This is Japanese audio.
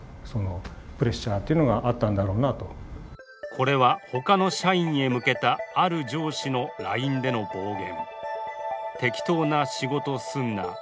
これは他の社員へ向けたある上司のＬＩＮＥでの暴言。